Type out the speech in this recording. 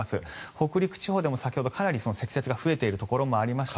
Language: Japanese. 北陸地方でも先ほどかなり積雪が増えているところもありました。